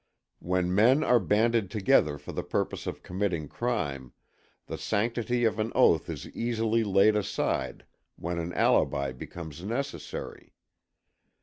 When men are banded together for the purpose of committing crime, the sanctity of an oath is easily laid aside when an alibi becomes necessary.